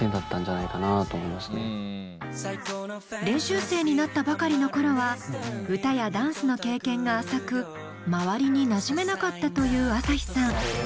練習生になったばかりの頃は歌やダンスの経験が浅く周りになじめなかったというＡＳＡＨＩさん。